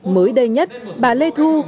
mới đây nhất bà lê thu